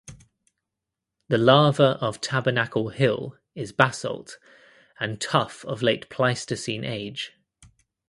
The lava of Tabernacle Hill is basalt and tuff of late Pleistocene age.